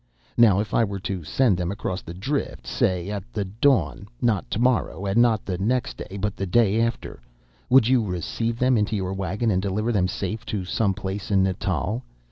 Now if I were to send them across the drift, say at the dawn, not to morrow and not the next day, but the day after, would you receive them into your wagon and deliver them safe to some place in Natal?